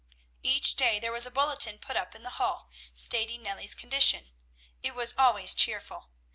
Each day there was a bulletin put up in the hall, stating Nellie's condition. It was always cheerful.